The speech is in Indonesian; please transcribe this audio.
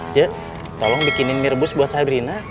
jek tolong bikinin mie rebus buat sabrina